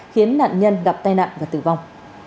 khiến nạn nhân gặp tai nạn và tử vong